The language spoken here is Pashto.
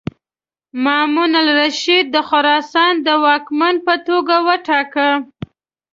مامون الرشید د خراسان د واکمن په توګه وټاکه.